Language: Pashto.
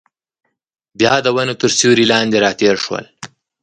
بیا د ونو تر سیوري لاندې راتېر شول.